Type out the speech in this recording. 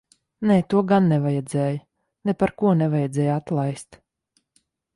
Nē, to gan nevajadzēja. Neparko nevajadzēja atlaist.